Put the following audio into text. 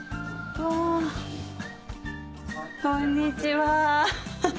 こんにちは。